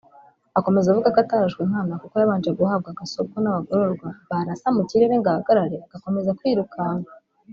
Akomeza avuga ko atarashwe nkana kuko yabanje guhabwa gasopo n’ abagororwa barasa mu kirere ngo ahagarare agakomeza kwirukanka